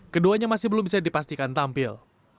keduanya masih belum bisa dipastikan tampil